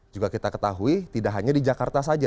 juga kita ketahui tidak hanya di jakarta saja